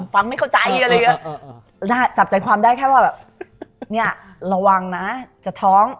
ฟังไม่เข้าใจจับใจความได้แค่ว่าระวังนะจะท้อง